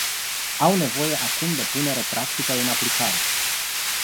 Au nevoie acum de punere practică în aplicare.